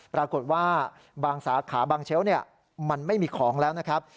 ปรากฏว่าบางสาขาบางเชลล์มันไม่มีของแล้วนะครับ